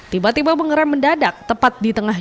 tiba tiba mengerang mendadak tepat di tengahnya